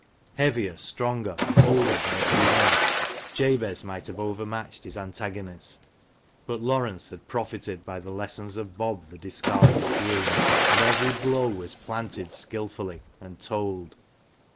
Heavier, stronger, older by a few months, Jabez might have overmatched his antagonist; but Laurence had profited by the lessons of Bob, the discarded groom, and every blow was planted skilfully, and told.